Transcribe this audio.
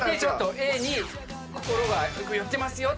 Ａに心が寄ってますよっていう。